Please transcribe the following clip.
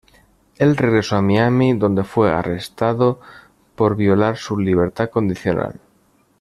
Él regresó a Miami, donde fue arrestado por violar su libertad condicional.